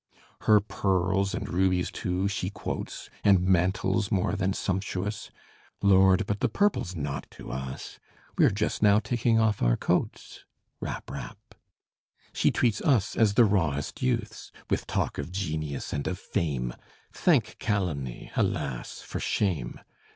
Her pearls, and rubies too, she quotes, And mantles more than sumptuous: Lord! but the purple's naught to us, We're just now taking off our coats. Rap! rap! She treats us as the rawest youths, With talk of genius and of fame: Thank calumny, alas, for shame!